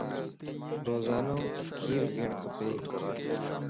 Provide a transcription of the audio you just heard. روزانو کير پيئڻ کپا